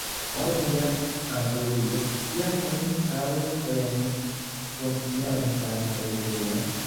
Laŭ via antaŭvido, kiam oni havos plene funkciantan retejon?